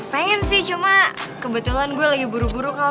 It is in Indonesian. pengen sih cuma kebetulan gue lagi buru buru kok